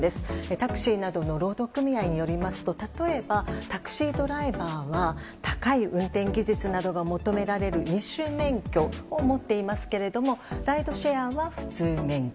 タクシーなどの労働組合によりますと例えば、タクシードライバーは高い運転技術などが求められる二種免許を持っていますけれどもライドシェアは普通免許。